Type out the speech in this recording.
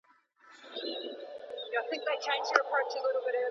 د قلم او کاغذ لپاره وخت ایستل مهم دي.